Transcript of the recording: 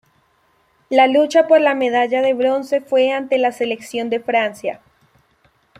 La lucha por la medalla de bronce fue ante la selección de Francia.